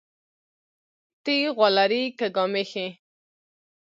تى غوا لرى كه ګامېښې؟